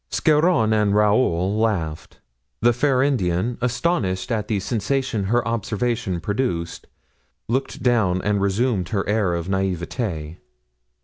Scarron and Raoul laughed. The fair Indian, astonished at the sensation her observation produced, looked down and resumed her air of naivete.